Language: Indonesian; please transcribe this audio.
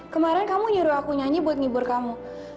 kemarin kamu nyuruh aku nyanyi buat ngibur kamu